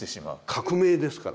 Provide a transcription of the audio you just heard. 革命ですから。